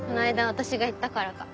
私が言ったからか。